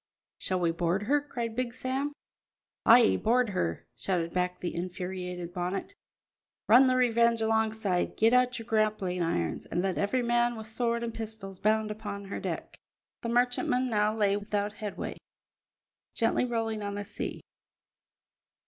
"Shall we board her?" cried Big Sam. "Ay, board her!" shouted back the infuriated Bonnet. "Run the Revenge alongside, get out your grappling irons, and let every man with sword and pistols bound upon her deck." The merchantman now lay without headway, gently rolling on the sea.